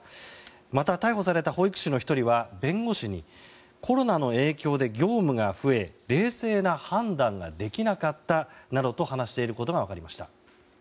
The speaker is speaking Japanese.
また、逮捕された保育士の１人は弁護士にコロナの影響で業務が増え冷静な判断ができなかったなどと話していることが分かりました。